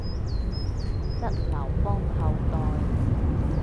得劉邦後代